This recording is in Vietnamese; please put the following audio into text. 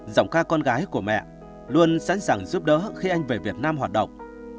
giọng ca con gái của mẹ luôn sẵn sàng giúp đỡ khi anh về việt nam hoạt động